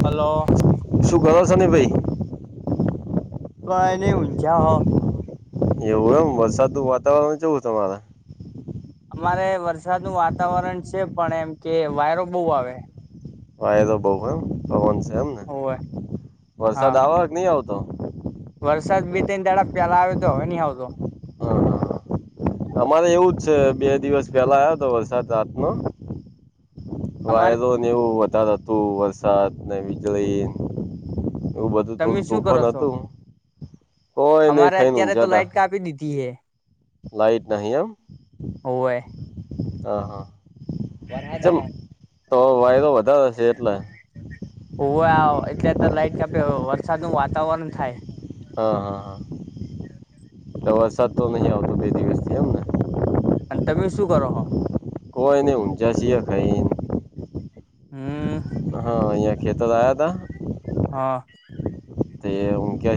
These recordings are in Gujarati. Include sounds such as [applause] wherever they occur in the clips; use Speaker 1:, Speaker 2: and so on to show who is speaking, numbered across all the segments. Speaker 1: હલો
Speaker 2: શું કરો છે ને ભાઈ
Speaker 1: કઈ નને હચ હો
Speaker 2: એવું એમ વરસાદનું વાતાવરણ જવું તમારે
Speaker 1: અમારે વરસાદ ન વાતાવરણ છે પણ એમ કે વાયરો બહુ આવે
Speaker 2: વા એ તો બઉ એમ પવન છે એમને
Speaker 1: હોવે હા
Speaker 2: વરસાદ આવ જ નહી આવતો
Speaker 1: વરસાદ બે ત દાડા પેલા આવે તો હવે ન આવતો
Speaker 2: હા હા અમારે એવું જ છે બે દિવસ પેલા આવ્યો તો વરસાદ રાતનો
Speaker 1: અમારે
Speaker 2: વાયરો ને એવું વધારે હતું વરસાદ ને વીજળી એવું બધું
Speaker 1: તમે
Speaker 2: થોડું
Speaker 1: શું કરો
Speaker 2: તોફાન
Speaker 1: છો
Speaker 2: હતું હું કોઈ નઈ
Speaker 1: અમારે
Speaker 2: ખાઈને ઊ
Speaker 1: અત્યારે તો
Speaker 2: જતા
Speaker 1: લાઈટ કાપી નીધતિ હૈ
Speaker 2: લાઈટ નહં એમ
Speaker 1: હોવે
Speaker 2: હા હા અચ્છા તો વાયદો વધારે છે એટલે
Speaker 1: ઉવે એટલે તો લાઈટ કાપે વરસાદ નું વાતાવરણ થાય
Speaker 2: હા હા હા એટ વરસાદ તો નહી આવતો દિવસથી એમ ને
Speaker 1: અને તમે શું કરો
Speaker 2: કોઈ ન ઊંજા છી ખાઈ
Speaker 1: હમ્મ.
Speaker 2: હા અહીંયા ખેતર આયા તા
Speaker 1: હા.
Speaker 2: તે [unintelligible]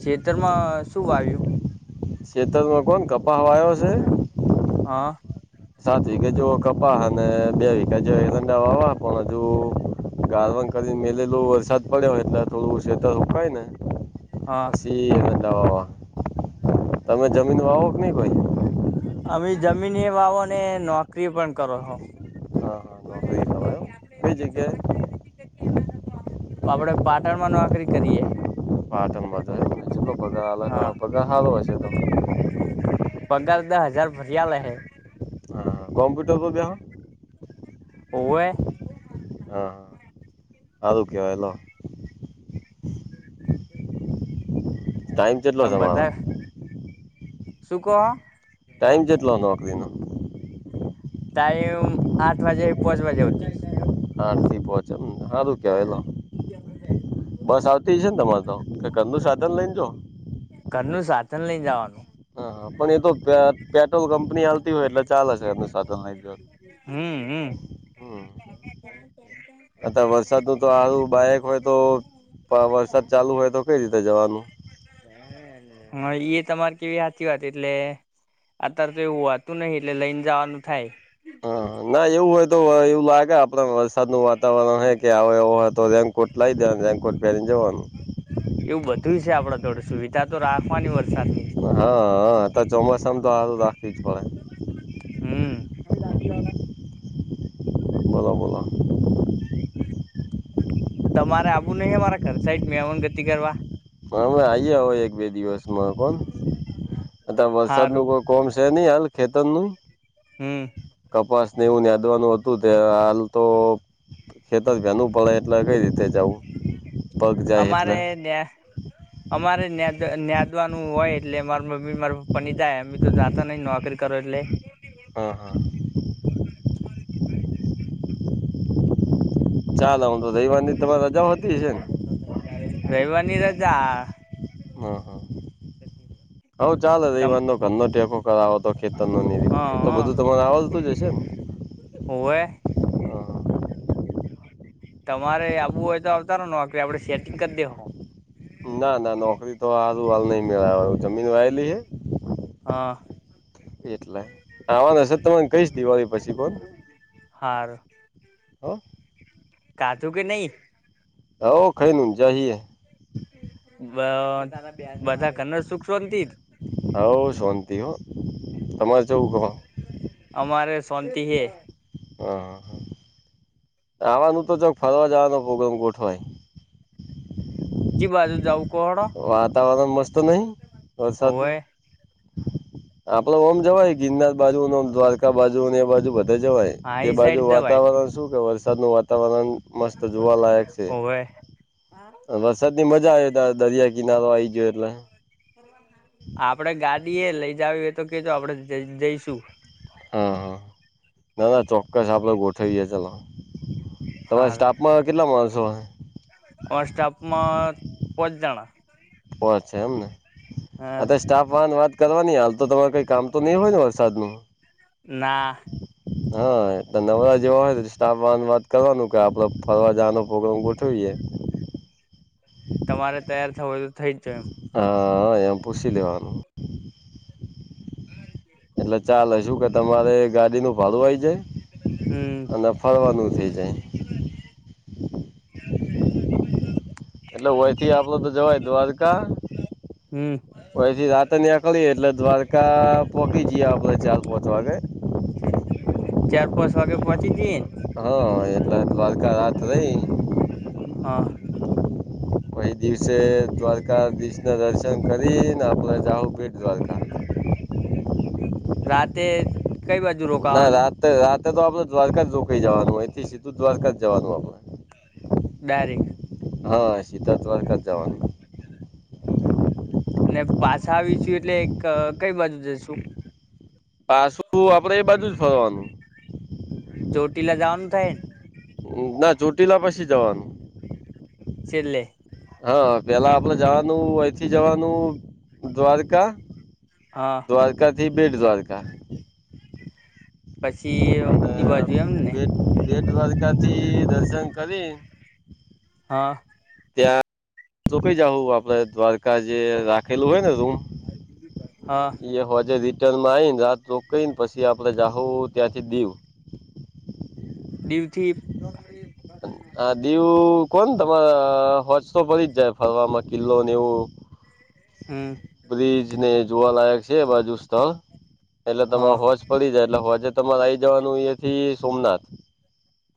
Speaker 1: છેતરમાં શું આવ્યું
Speaker 2: શેતમાં કોણ કપ
Speaker 1: હા
Speaker 2: સાત વીઘે જે કપા અને બે વીઘે જેંડા વાવા પણ હજુ ગળવાન કરીને મેલેલો વરસાદ પડ્યોય એટલે થોડું શેતર રકાય ને
Speaker 1: હા
Speaker 2: દ તમે જમીન વાવો કે નહી કોઈ
Speaker 1: અમે જમીન એ વાવો ને નોકરી પણ કરો છો.
Speaker 2: હા હા
Speaker 1: વડા
Speaker 2: નોકરી
Speaker 1: એમ છે
Speaker 2: કરો
Speaker 1: કે આપડે
Speaker 2: કઈ જગ્યાએ
Speaker 1: [unintelligible] આપડે પાટણમાં નોકરી કરીએ.
Speaker 2: પાટણ માં તો કેટલો પગાર
Speaker 1: હા
Speaker 2: [unintelligible] પગાર હારો હશે
Speaker 1: પગાર તો હજાર ભરિયા લે હે
Speaker 2: હા કોમ્પ્યુટર [unintelligible]
Speaker 1: ઓવે
Speaker 2: હા હા હારુ કેવાય લો ટાઈમ કેટલો
Speaker 1: [unintelligible]
Speaker 2: તમારો
Speaker 1: બધા શું કહો
Speaker 2: ટાઈમ કેટલો નોકરીનો
Speaker 1: ટાઈમ આઠ વાગે થી પાંચ વાગે હુધી.
Speaker 2: હા પાંચ હારુ કેવાયલો બસ આવતી છે ને તમારે તો ઘર નું સાધન લઈને જો
Speaker 1: ઘરનું સાધન લઈ જવાનું.
Speaker 2: હા હા પણ એતો પેટ્રોલ કંપની હાલતી હોય એટલે ચાલે છે ધેરનું સાથે લઈને જાય તો.
Speaker 1: હમ હમ.
Speaker 2: અતાર વરસાદ નું તો હારું બાાયક હોય તો પણ વરસાદ ચાલુ હોય તો કઈ રીતે જવાનું
Speaker 1: [inaudible] હા એ તમારે કેવી સાચી વાત એટલે અત્યારે તો એવું વાતું નહિ એટલે લઈને જવાનું થાય.
Speaker 2: હા ના એવું હોય તો એવું લાગે આપડે વરસાદ નું વાતાવરણ [unintelligible] આવ એવો હોય તો કોર્ટ લાવી દેવાનું કોર્ટ પહેરિને જવાનું.
Speaker 1: એવું બધું છે આપણેે થોડી સુવિધા તો રાખવાની વરસાદ
Speaker 2: હા હ તો ચોમાસામાં તો આ રાખી જ પડે.
Speaker 1: હમ્મ.
Speaker 2: બોલો બોલો
Speaker 1: તમારે આવું નહિ મારા ઘર સાાઈડ મેવન ગતિ કરવા
Speaker 2: હમે આઇએ હો એક બે દિવસમાં કોણ અતાર વરસાદ
Speaker 1: હારું
Speaker 2: નું કોક કોમ છે ને હાલ ખેતરનું
Speaker 1: હમ.
Speaker 2: કપાસને એવું યાદવાનું હતું ત્યારે હાલ તો ખેતર ઘેરનું પડે એટલે કઈ રીતે જવું પગ જાય એટલે
Speaker 1: અમારે ત્યાં અમાંરે ના્યાદવાનું હોય એટલે માર મમ્મી મારા પપ્પા ની જાય એમતો સાધન લઈ ને નોકરી કરો એટલે
Speaker 2: હા હા.
Speaker 1: [inaudible]
Speaker 2: ચાલ હું તો રયવારની
Speaker 1: રયવારની રજા
Speaker 2: હા
Speaker 1: તમ
Speaker 2: ઘનો ટેકો કરાવો હતો ખેતર નો નિધિ
Speaker 1: હ
Speaker 2: એ તો બધું તમારે આવજતું જશે ને
Speaker 1: હોવે
Speaker 2: હા
Speaker 1: તમારે આવવું હોય તો આવતાારો નોકરી આપડે સેટિંગ કરી દેહું
Speaker 2: ના ના નોકરી તો હારું હ નઈ મેળ જમીન વાયલી છે
Speaker 1: હા.
Speaker 2: એટલે આવાનું હશે તમને કઈશ દિવાળી પછી પણ
Speaker 1: હારું
Speaker 2: હા.
Speaker 1: કાધું કે નહી
Speaker 2: હ ખઈ ને જહિએ
Speaker 1: બ બધા કનર સુખ શાંતિ
Speaker 2: હવ શંત હો તમામેર ચૌ કણ
Speaker 1: અમારે શાંતિ હે
Speaker 2: હ હ હ આવવાનું તો ચક ફરવા જવાનો પ્રોગ્રામ ગોઠવાય
Speaker 1: ચી બાજુ જાઉ
Speaker 2: વાતાવરણ મસ્ત નહી વરસાત નુ
Speaker 1: [inaudible]
Speaker 2: આપડ ઓમ જવાય ગિરનાર બાજુને દ્વારકા બાજુ ને એ બાજુ બધે જવાય
Speaker 1: હા
Speaker 2: તે
Speaker 1: ઈ
Speaker 2: બાજુ
Speaker 1: સાઈડ જવાય
Speaker 2: વાતાવરણ શું કે વરસાદ નું વાતાવરણ મસ્ત જોવાલાયક છે
Speaker 1: હોવે
Speaker 2: વરસાદ ની મજા આવે ત દરિયા કિનારો આ આવી ગયો એટલે
Speaker 1: હ [unintelligible] આપડે ગાડીએ લઈ જાવ એ તો કેજો આપડે જઈશું
Speaker 2: હમ હ ના ના ચોક્કસ આપડે ગોઠવીએ ચલો તમારે
Speaker 1: હારું
Speaker 2: સ્ટાફ માં કેટલા માણસો
Speaker 1: અ સ્ટાફમાં પચ જણ
Speaker 2: ઓ છે એમને અ
Speaker 1: હ
Speaker 2: સ્ટાફ વાન વાત કરવાની હાલ તો તમારે કઈ કામ તો નહીં હોય ને વરસાદ ન
Speaker 1: ના
Speaker 2: હા નવરા જેવા હોય સ્ટાફ વા વાત કરવાનું કે આપડે ફરવા જવાનો પ્રોગ્રામ ગોઠવીયએ
Speaker 1: તમારે તૈયાર થવું હોય તો થઈ જ જો એમ
Speaker 2: હ એમ પુછ લવાનું એટલે ચાલે શું કે તમારે ગાડીનું ભાળું આય જાય
Speaker 1: હમ
Speaker 2: અને ફળવાનું થઈ જાય
Speaker 1: બાજ [unintelligible]
Speaker 2: એટલે વયથી આપડ તો જવાય દ્વારકા
Speaker 1: હમ
Speaker 2: ઓથી રાત ની આકળીએ એટલે દ્વારકા પોહકી જએ આપડે ચાર પાંચ વાગે
Speaker 1: ચાર પાંચ વાગે પહોંચી જઈ
Speaker 2: હા એટલે દ્વારકા રાત રહી
Speaker 1: હા
Speaker 2: પહી દિવસે દ્વારકાધીશ ના દર્શન કરીને આપલા જાહ ભેટ દ્વારકા
Speaker 1: રાતે કઈ બાજુ રોકાવાનું
Speaker 2: રાત્ર તો આપડે દ્વારકા જ ર કઈ જવાનું હોયથી સીધું દ્વારકા જ જવાનું આપણે
Speaker 1: દારીખ
Speaker 2: હા શીત ત વારકા જવાનું
Speaker 1: અને પાછા આવીશું એટલે કઈ બાજુ જશુ
Speaker 2: પાછું આપડે એ બાજુ જ ફરવાનું
Speaker 1: ચોટી લ જવાનું થાય ને
Speaker 2: ના ચોટીલા પછી જવાનું
Speaker 1: છેલ્લે
Speaker 2: હા પેલા આપડે જવાનું અહીથી જવાનું દ્વારકા
Speaker 1: હા
Speaker 2: દ્વારકા થી બેટ દ્વારકા
Speaker 1: પછી એ બાજુ એમ ને
Speaker 2: જે દ્વારકાથી દર્શન કરી
Speaker 1: હા
Speaker 2: ત્યાં તો કઈ જાઉં આપડે દ્વાર કા જે રાખેલું હોય ને રૂમ
Speaker 1: હા
Speaker 2: એ હોજ રી જન્માઈન રાત રોકઈન પછી આપણે જાહો ત્યાથી દીવ.
Speaker 1: દીવ થી
Speaker 2: તું કોણ તમારા હોજ તો પરી જ જાય ફરવાવામાં કિલ્લો ને એવું.
Speaker 1: હમ્મ.
Speaker 2: બ્રિજ ને જોવાલાયક છે એ બાજુ સ્થળ એટલે તમે
Speaker 1: હા
Speaker 2: હોજ પડી જાય એટલે હવે આજે તમારે આવી જવાનું એ થી સોમનાથ.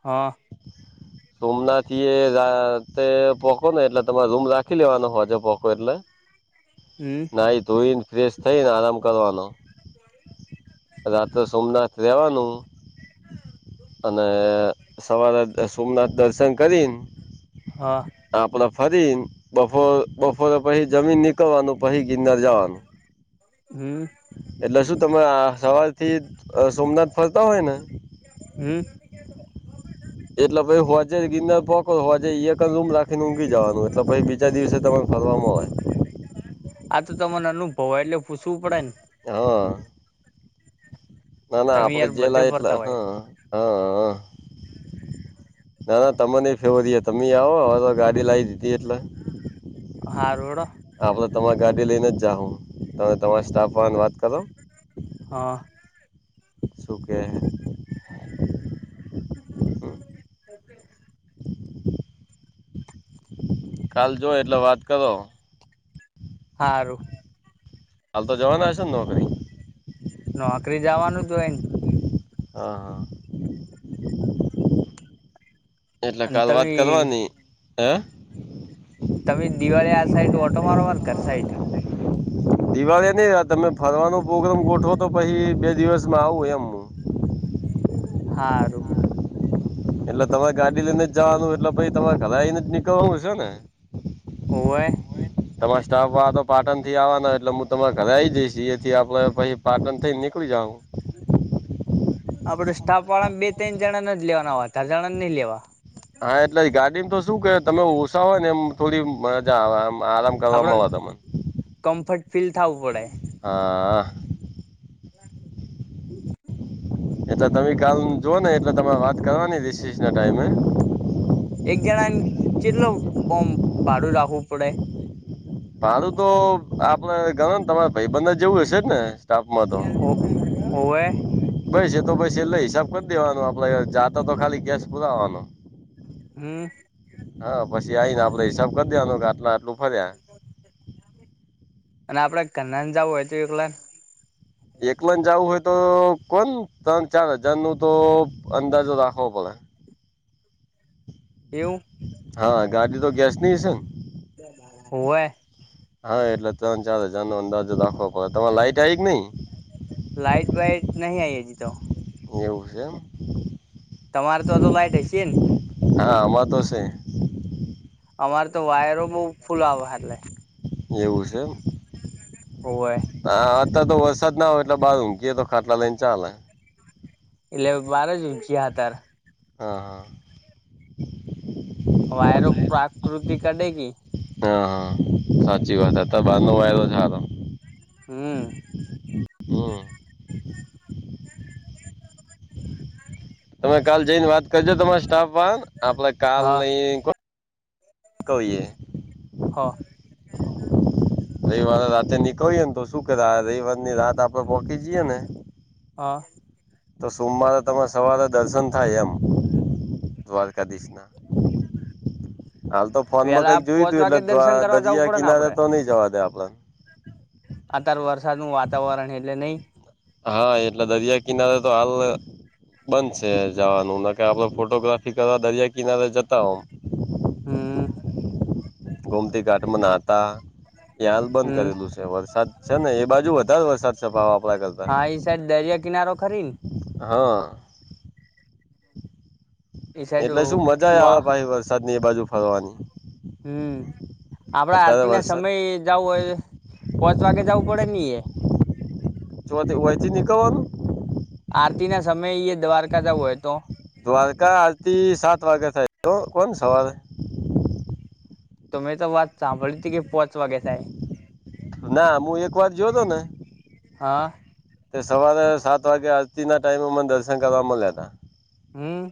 Speaker 1: હા.
Speaker 2: સોમના થી એ રાતે પોકો ને એટલે તમારે રૂમ રાખી લેવાનો હોજે પોકો એટલે.
Speaker 1: હમ
Speaker 2: નાઈ ધોઈને ફ્રેશ થઈ ને આરામ કરવાનો. રાત્ર સોમનાથ રેવાનું અને સવારે તે સોમનાથ દર્શન કરીન
Speaker 1: હા
Speaker 2: આપડે ફરીન બફોર બપોરે પાહિ જમીને નીકળવાનું પાહિ ગિનર જવાનું.
Speaker 1: હમ્મ.
Speaker 2: એટલે શું તમે સવાર થી સોમનાથ ફરતા હોય ને
Speaker 1: હમ્મ.
Speaker 2: એટલે પાહિ હોજે ગિનર પોકો હોજે કઝૂમ રાખીને ઊંઘી જવાનું એટલે પાહિ બી બીજા દિવસે તમે ફરવામાં હોય.
Speaker 1: આ તો તમાને અનુભવ હોય એટલે પૂછવું પડે ને
Speaker 2: હા. ના ના
Speaker 1: તમે
Speaker 2: આપડે
Speaker 1: યાર બધે
Speaker 2: ગેલા એટલે
Speaker 1: ફરતા હોય
Speaker 2: હા હા હા. ના ના તમે નહી ફેવરી તમે આવો હવે તો ગાડી લાવી દીધી એટલે.
Speaker 1: હા રોડ આ
Speaker 2: આપણે તમારી ગાડી લઈને જ જા હું તમે તમારા સ્ટાફ વાળાને વાત કરો.
Speaker 1: હા.
Speaker 2: શું કે હે. હમ.
Speaker 1: [inaudible]
Speaker 2: કાલ જો એટલે વાત કરો.
Speaker 1: હારુ.
Speaker 2: કાલ તો જવાના હશો ને નોકરી.
Speaker 1: નોકરી જવાનું જ હોય.
Speaker 2: હા હા. એટલે
Speaker 1: અને
Speaker 2: કાલ
Speaker 1: તમે
Speaker 2: વાત કરવાની હા.
Speaker 1: તમે દિવાળી આ
Speaker 2: કેવા
Speaker 1: સાઈટ
Speaker 2: યાદ
Speaker 1: ઓટો
Speaker 2: થઈ
Speaker 1: મારવા
Speaker 2: ફોટો
Speaker 1: કર
Speaker 2: જ
Speaker 1: સાઈટ.
Speaker 2: નથી દિવાળી નહી તમે ફરવાનો પ્રોગ્રામ ગોઠો તો પાહિ બે દિવસમાં આવું એમ.
Speaker 1: હારું.
Speaker 2: એટલે તમારે ગાડી લઈને જવાનું એટલે પાહિ તમારે ઘરે આવીઈને જ નીકળવાનું છે ને.
Speaker 1: ઓ વે
Speaker 2: તમારા સ્ટાફ વા તો પાટણ થી આવવા ન એટલે હું તમારા ઘરે આઈ જઈશ એથી આપડે પાહિ પાટણ થી નીકળી જહુ.
Speaker 1: આપડે સ્ટાફ વાળા બે ત્રણ જણા ને જ લેવાના હોતા જણા નહીં લેવા.
Speaker 2: હા એટલે એ ગાડી તો શું કે તમે ઓછા હોય ને એમ થોડી મજા આવે એમ આરામ કરવા મળે
Speaker 1: આપડે
Speaker 2: તમને
Speaker 1: કમ્ફર્ટ ફીલ થવું પડે.
Speaker 2: હા.
Speaker 1: હમ.
Speaker 2: એટલે તમે કાલ જોવોઓ ને એટલે તમારે વાત કરવાની રિસી ના ટાઈમે.
Speaker 1: એક જણાને કેટલો ભાડું રાખવું પડે?
Speaker 2: મારું તો આપડે ગણ ને તમારે ભાઈબંધ જેવું હશે જ ને. તાપ મા હતો.
Speaker 1: હોવે
Speaker 2: પાઇ છે એ તો પછી એટલે હિસાબ કરી દેવાનો આપડે જાતા તો ખાલી ગેસ પુરાવાનો.
Speaker 1: હમ્મ.
Speaker 2: હા પછી આવીઈ ને આપડે હિસાબ કરી દેવાનું કે આટલે આટલું [unintelligible]
Speaker 1: અને આપડે કન્નાન જવું હોય તો એકલા
Speaker 2: એકલન જવું હોય તો કોણ ત્રણ ચાર હજાર નું તો અંદાજો રાખવો પડે.
Speaker 1: એવું.
Speaker 2: હા ગાડી તો ગેસ ની હશે ને?
Speaker 1: હોવે.
Speaker 2: હા એટલે ત્રણ ચાર હજાર નો અંદાજો દાખવો પડ તમારે લાઈટ આવી કે નહીં?
Speaker 1: લાઇટ વાઇટ નહી આઈ હ જી તો.
Speaker 2: એવું છે એમ.
Speaker 1: તમારે તો તો લાઈટ હશે ને.
Speaker 2: હા અમારં તો છે.
Speaker 1: અમાર તો વાયર ઓ બહુ ફુલ
Speaker 2: એવું છે એમ.
Speaker 1: હોવે.
Speaker 2: હા અત તો વરસાદ ના હોય એટલે બાર ઊંકીયએ તો ખાટલા લઈને ચાલે.
Speaker 1: એટલે બાર જ ગયા હતાર
Speaker 2: હા હા. વાયરો
Speaker 1: [unintelligible]
Speaker 2: હા હા સાચી વાત ત બાર નો વાયલો સારો.
Speaker 1: હમ.
Speaker 2: હમ. તમે કાલ જઈને વાત કરજો તમારા સ્ટાફ વા આપડે કાલ
Speaker 1: હા
Speaker 2: નઈ કઈએ.
Speaker 1: હા.
Speaker 2: રવિવારે રાતે નીકળીએ ને તો શું કરે રવિવાર ની રાત આપડે પહોકી જઈએે ને.
Speaker 1: હા.
Speaker 2: તો સોમવારે તરે સવારે દર્શન થાય એમ દ્વારકાધીશ ના. હાલ તો ફોન માં
Speaker 1: વેલા
Speaker 2: કઈક જોયું
Speaker 1: પોચ
Speaker 2: તું
Speaker 1: વાગે
Speaker 2: એટલે
Speaker 1: દર્શન કરવા જવું
Speaker 2: દરિયા
Speaker 1: પડે ને આપડે
Speaker 2: કિનારે તો નઈ જવા દે આપડને.
Speaker 1: અત્યારે વરસાદ ન વાતાવરણ એટલે નહી
Speaker 2: હા એટલે દરિયા કિનારે તો હાલ બંધ છે જવાનું ન ક આપડ ફોટોગ્રાફી કરવા દરિયા કિનારે જતા હોમ.
Speaker 1: હમ.
Speaker 2: ગોમતી ઘાટમાં નાતા એ હાલ બંધ
Speaker 1: હમ
Speaker 2: કરેલું છે. વરસાદ છે ને એ બાજુ વધારે વરસાદ પાછો આપડા કરતા
Speaker 1: હા ઈ સાઈડ દરિયા કિનારો ખરી ને.
Speaker 2: હા.
Speaker 1: એ સાઈડ
Speaker 2: એટલે શું મજા આવે
Speaker 1: વાહ
Speaker 2: ભાઈ વરસાદ ની એ બાજુ ફરવાની.
Speaker 1: હમ આપડા
Speaker 2: અત્યારે
Speaker 1: આરતી ના
Speaker 2: વરસાદ
Speaker 1: સમય જવું હોય પોંચ વાગે જવું પડે નઈ એ
Speaker 2: ચોથી અહીંથીં નિકળવાનું.
Speaker 1: આરતી ના સમયે એ દ્વારકા જવું હોય તો?
Speaker 2: દ્વારકા આરતી સાત વાગે થાય તો કોણ સવારે.
Speaker 1: તમે તો વાત સાંભળ હતી કે પહોચ વાગે થાય.
Speaker 2: ના મું એક વાર જોયો તો ને
Speaker 1: હા
Speaker 2: તે સવારે સાત વાગે આરતીના ટાઈમે મને દર્શન કરવા મળ્યા તા.
Speaker 1: હમ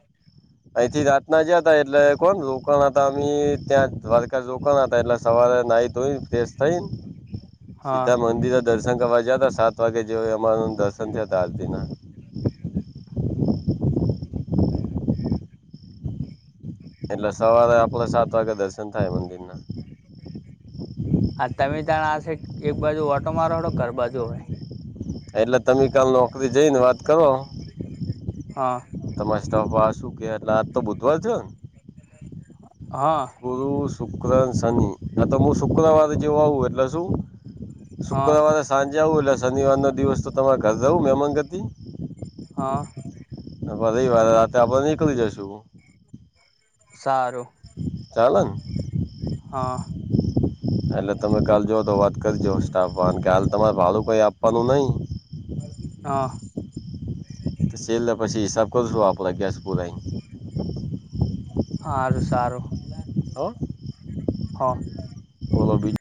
Speaker 2: અહીંથી રાત ના જયા હતા એટલે કો રોકાણ હતા અમે ત્યાં દ્વારકા રોકાણ હતા એટલે સવારે નાઈ ધોઈ ફેરર્સ થઈને
Speaker 1: [inaudible]
Speaker 2: સીતા મંદિરે દર્શન કરવા જયા ત સાત વાગે જે અમા દર્શન થયાતા આરતીના. એટલે સવારે આપડે સાત વાગે દર્શન થાય મંદિર ના.
Speaker 1: આ તમે તણ આ સ એક બાજુ ઓટો મારો ઘર બાજુ હવે.
Speaker 2: એટલે તમે કાલ નોકરી જઈને વાત
Speaker 1: હા.
Speaker 2: તમારે સ્ટફવાળા શું કે એટલે આજ તો બુધવાર થયો ને?
Speaker 1: હહ
Speaker 2: ગુરુ, શુક્રને શનિ આ તો મું શુક્રવારે જેવું આવું એટલે શું
Speaker 1: હા
Speaker 2: શુક્રવારે સાંજે આવું એટલે શનિવારનો દિવસ તો તમારે ઘર જવું મેમાન ગતિ
Speaker 1: હહ
Speaker 2: અને પહિ રવિવારે રાતે આપણે નીકળી જશું.
Speaker 1: સારું.
Speaker 2: ચાલે ન?
Speaker 1: હહ
Speaker 2: એટલે તમે કાલ જોઓ તો વાત કરજો સ્ટાફવાળાને કે હાલ તમારે ભાડું કઈ આપ વાનું નહીં?
Speaker 1: હહ
Speaker 2: તો સેલ્લે પછી હિસાબ કરશું આપણે ગેસ પુરાઈને.
Speaker 1: હારું સારું
Speaker 2: હો
Speaker 1: હહ
Speaker 2: બોલો બીજ